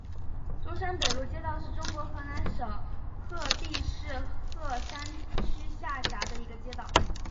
中山北路街道是中国河南省鹤壁市鹤山区下辖的一个街道。